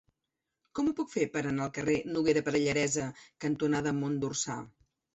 Com ho puc fer per anar al carrer Noguera Pallaresa cantonada Mont d'Orsà?